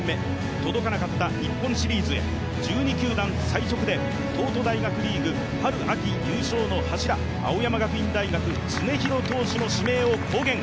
届かなかった日本シリーズへ１２球団最速で東都大学リーグ、春秋優勝の柱青山学院大学、常廣投手の指名を公言。